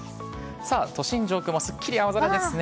さあ、都心上空もすっきり青空ですね。